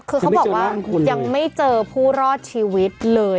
คือเขาบอกว่ายังไม่เจอผู้รอดชีวิตเลย